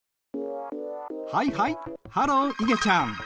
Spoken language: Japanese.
はいはいハローいげちゃん。